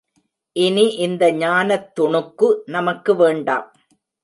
இனி, இந்த ஞானத்துணுக்கு நமக்கு வேண்டாம்.